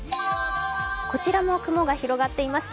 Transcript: こちらも雲が広がっています。